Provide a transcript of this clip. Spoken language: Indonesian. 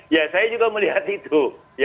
ya saya juga melihat itu